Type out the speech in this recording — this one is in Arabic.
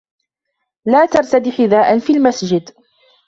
لا ترتدِ حذاءا في المسجد.